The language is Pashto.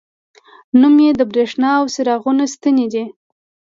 نوم یې د بریښنا او څراغونو ستنې دي.